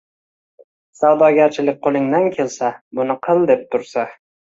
Savdogarchilik qo‘lingdan kelsa, buni qil deb tursa